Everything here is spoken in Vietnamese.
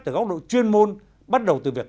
từ góc độ chuyên môn bắt đầu từ việc